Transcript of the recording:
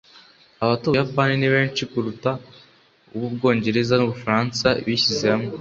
abatuye ubuyapani ni benshi kuruta ubw'ubwongereza n'ubufaransa bishyize hamwe